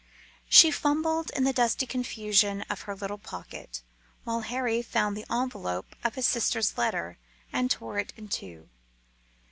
She fumbled in the dusty confusion of her little pocket while Harry found the envelope of his sister's letter and tore it in two.